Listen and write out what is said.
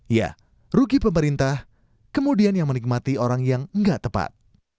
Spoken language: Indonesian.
ya rugi pemerintah kemudian yang menikmati orang yang nggak tepat